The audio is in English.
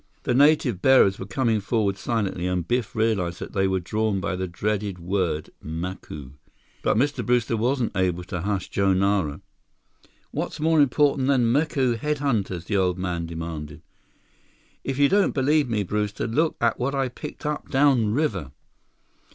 The native bearers were coming forward silently, and Biff realized that they were drawn by that dreaded word, Macu. But Mr. Brewster wasn't able to hush Joe Nara. "What's more important than Macu head hunters?" the old man demanded. "If you don't believe me, Brewster, look at what I picked up downriver!"